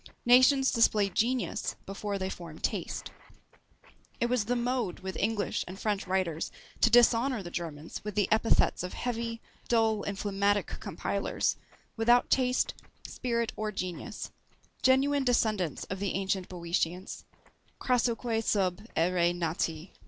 Nations display genius before they form taste. It was the mode with English and French writers to dishonour the Germans with the epithets of heavy, dull, and phlegmatic compilers, without taste, spirit, or genius; genuine descendants of the ancient Boeotians, Crassoque sub æëre nati.